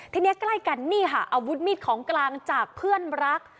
ทีนี้ใกล้กันนี่ค่ะอาวุธมีดของกลางจากเพื่อนรัก